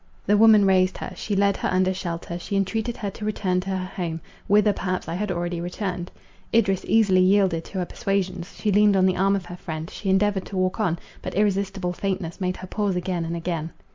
The woman raised her; she led her under shelter, she entreated her to return to her home, whither perhaps I had already returned. Idris easily yielded to her persuasions, she leaned on the arm of her friend, she endeavoured to walk on, but irresistible faintness made her pause again and again.